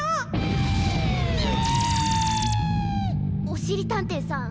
おしりたんていさん